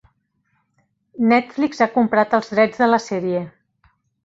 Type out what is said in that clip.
Netflix ha comprat els drets de la sèrie.